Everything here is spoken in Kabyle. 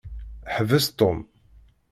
Ḥbes Tom.